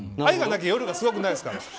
愛がなきゃ夜がすごくないですから。